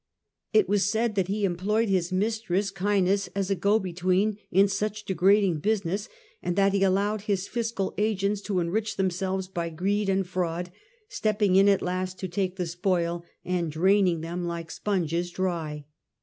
It and made was said that he employed his mistress, money in Caenis, as a go between in such degrading business, and that he allowed his fiscal agents 4 to enrich themselves by greed and fraud, step merry, ping in at last to take the spoil, and draining them like sponges dry.